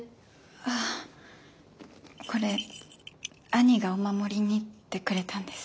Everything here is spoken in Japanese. あこれ兄がお守りにってくれたんです。